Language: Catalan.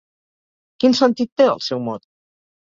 Quin sentit té el seu mot?